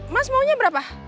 mas maunya berapa